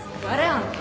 あんた。